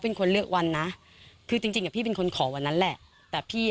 เป็นคนเลือกวันนะคือจริงจริงอ่ะพี่เป็นคนขอวันนั้นแหละแต่พี่อ่ะ